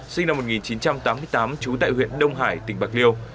sinh năm một nghìn chín trăm tám mươi tám trú tại huyện đông hải tỉnh bạc liêu